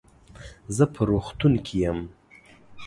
زه په روغتون کې يم.